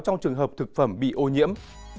trong trường hợp thực phẩm bị ô nhiễm